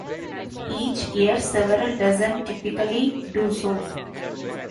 Each year several dozen typically do so.